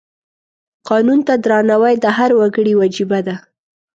قانون ته درناوی د هر وګړي وجیبه ده.